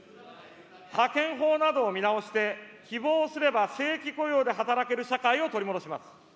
派遣法などを見直して、希望すれば正規雇用で働ける社会を取り戻します。